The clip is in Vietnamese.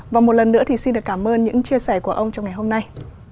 và một lần nữa thì xin được cảm ơn những chia sẻ của ông trong ngày hôm nay